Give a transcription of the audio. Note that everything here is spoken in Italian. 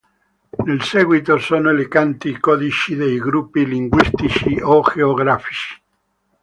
Nel seguito sono elencati i codici dei gruppi linguistici o geografici.